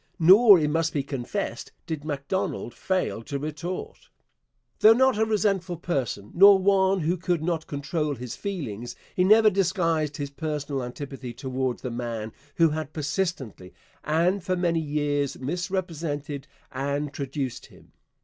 Nor, it must be confessed, did Macdonald fail to retort. Though not a resentful person, nor one who could not control his feelings, he never disguised his personal antipathy towards the man who had persistently and for many years misrepresented and traduced him.